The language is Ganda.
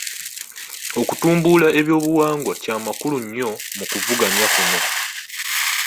Okutumbula ebyobuwangwa kyamakulu nnyo mu kuvuganya kuno.